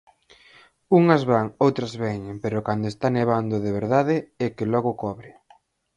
Unhas van, outras veñen, pero cando está nevando de verdade é que logo cobre.